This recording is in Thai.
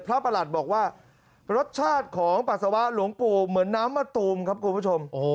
ประหลัดบอกว่ารสชาติของปัสสาวะหลวงปู่เหมือนน้ำมะตูมครับคุณผู้ชม